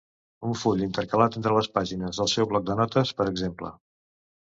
Un full intercalat entre les pàgines del seu bloc de notes, per exemple.